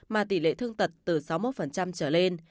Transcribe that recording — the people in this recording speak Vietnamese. mà tỷ lệ thương tật từ sáu mươi một trở lên